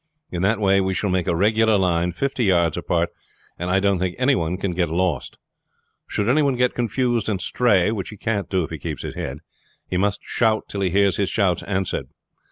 In that way we shall make a regular line fifty yards apart, and I don't think any one can get lost. Should any one get confused and stray, which he can't do if he keeps his head, he must shout till he hears his shouts answered.